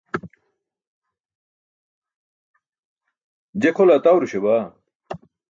je kʰole atawruśa baa